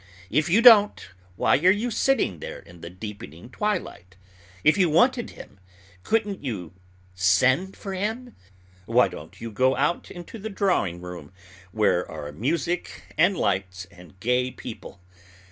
If you don't, why are you sitting there in the deepening twilight? If you wanted him, couldn't you send for him? Why don't you go out into the drawing room, where are music and lights, and gay people?